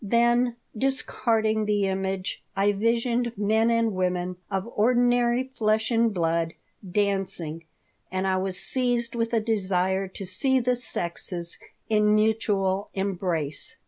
Then, discarding the image, I visioned men and women of ordinary flesh and blood dancing, and I was seized with a desire to see the sexes in mutual embrace.